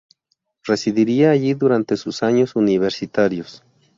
Residiría allí durante sus años universitarios.